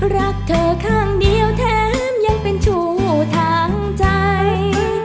รักเธอข้างเดียวแถมยังเป็นชู่ทางใจ